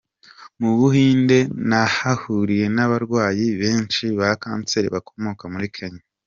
Mu Buhinde nahahuriye n’abarwayi benshi ba kanseri bakomoka muri Kenya.